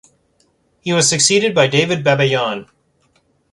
He was succeeded by David Babayan.